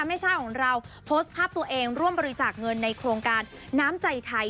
ไม่ใช่ของเราโพสต์ภาพตัวเองร่วมบริจาคเงินในโครงการน้ำใจไทย